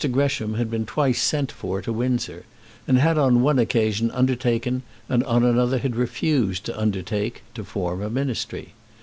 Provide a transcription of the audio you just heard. Gresham had been twice sent for to Windsor, and had on one occasion undertaken and on another had refused to undertake to form a Ministry.